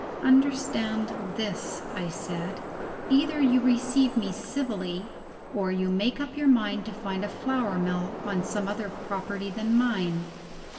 "Understand this," I said: "either you receive me civilly or you make up your mind to find a flour mill on some other property than mine."